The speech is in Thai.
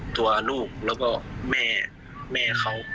ตัวลูกแล้วก็แม่แม่เขา